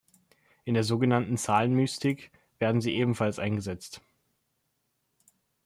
In der sogenannten Zahlenmystik werden sie ebenfalls eingesetzt.